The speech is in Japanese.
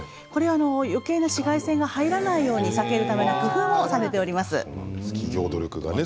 よけいな紫外線が入らないように避けるための工夫がされております。